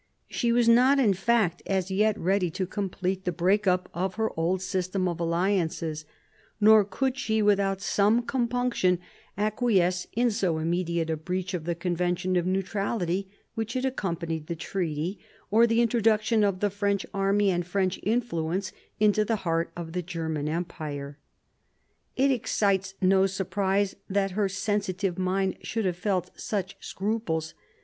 She was not, in fact, as yet ready to complete the break up of her old system of alliances, nor could she without some compunction acquiesce in so immediate a breach of the convention of neutrality which had accompanied the treaty, or the introduction of the French army and French influence into the heart of the German Empire. It excites no surprise that her sensitive mind should have felt such scruples.